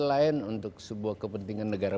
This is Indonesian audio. lain untuk sebuah kepentingan negara